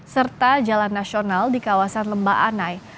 serta jalan nasional di kawasan lemba anai